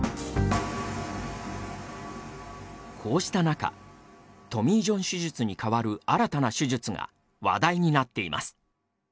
こうした中トミー・ジョン手術に代わる新たな手術が話題になっています。